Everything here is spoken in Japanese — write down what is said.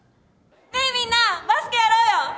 ねえみんなバスケやろうよ